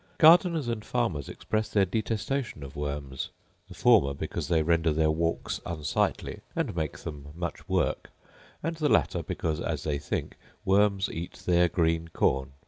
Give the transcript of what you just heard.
Gardeners and farmers express their detestation of worms; the former because they render their walks unsightly, and make them much work: and the latter because, as they think, worms eat their green corn.